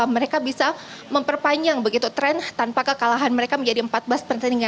mereka bisa memperpanjang begitu tren tanpa kekalahan mereka menjadi empat belas pertandingan